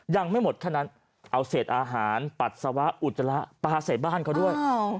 ยังไม่หมดแค่นั้นเอาเศษอาหารปัสสาวะอุจจาระปลาใส่บ้านเขาด้วย